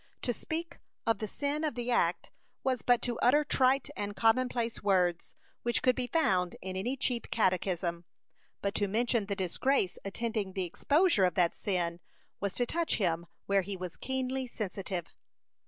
To speak of the sin of the act was but to utter trite and commonplace words, which could be found in any cheap catechism; but to mention the disgrace attending the exposure of that sin, was to touch him where he was keenly sensitive.